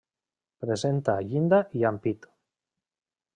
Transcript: Presenta llinda i ampit.